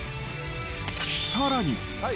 さらに。